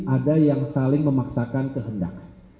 ada yang saling memaksakan kehendak